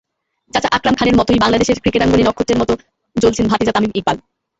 চাচা আকরাম খানের মতোই বাংলাদেশের ক্রিকেটাঙ্গনে নক্ষত্রের মতো জ্বলছেন ভাতিজা তামিম ইকবাল।